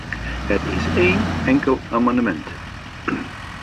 Het is één enkel amendement.